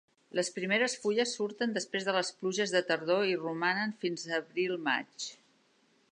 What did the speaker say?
Les primeres fulles surten després de les pluges de tardor i romanen fins abril-maig.